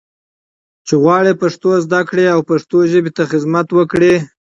چې غواړي پښتو زده کړي او پښتو ژبې ته خدمت وکړي.